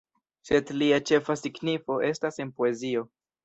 Sed lia ĉefa signifo estas en poezio.